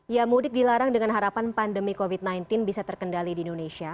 ya mudik dilarang dengan harapan pandemi covid sembilan belas bisa terkendali di indonesia